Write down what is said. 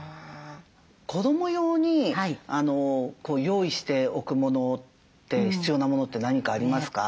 子ども用に用意しておくものって必要なものって何かありますか？